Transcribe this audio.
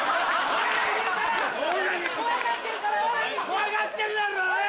怖がってんだろおい！